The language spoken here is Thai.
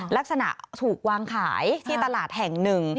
ลักษณะถูกวางขายที่ตลาดแห่งหนึ่ง